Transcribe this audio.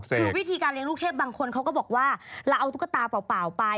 คือวิธีการเลี้ยลูกเทพบางคนเขาก็บอกว่าเราเอาตุ๊กตาเปล่าไป